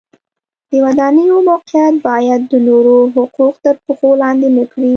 د ودانیو موقعیت باید د نورو حقوق تر پښو لاندې نه کړي.